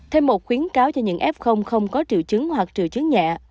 thêm một khuyến cáo cho những f không có triệu chứng hoặc triệu chứng nhẹ